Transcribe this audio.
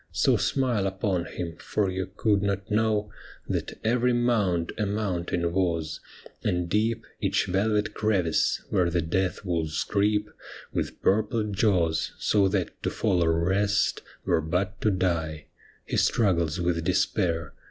' So smile upon him, for you could not know That every mound a mountain was, and deep Each velvet crevice — where the death wolves creep With purple jaws, — so that to fall or rest Were but to die. He struggles with despair.